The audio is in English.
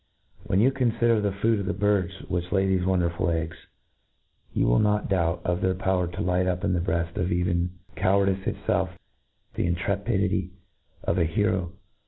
When you confider . the food of the birds . vhich lay thefc wonderful ^ggs,you will not doubt pf their power to light up in the breaft of even i;owardice itfclf the intrepidity of a herp.